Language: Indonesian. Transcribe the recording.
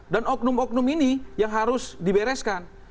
dan oknum oknum ini yang harus dibereskan